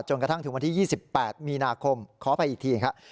กระทั่งถึงวันที่๒๘มีนาคมขออภัยอีกทีครับ